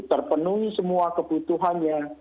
terpenuhi semua kebutuhannya